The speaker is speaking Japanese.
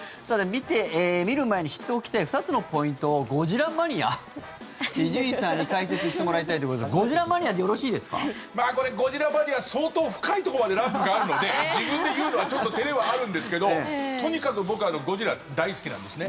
見る前に知っておきたい２つのポイントをゴジラマニア、伊集院さんに解説してもらいたいということでゴジラマニア相当深いとこまでランクがあるので自分で言うのはちょっと照れはあるんですけどとにかく僕はゴジラ大好きなんですね。